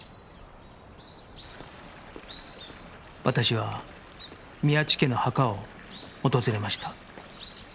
私は宮地家の墓を訪れました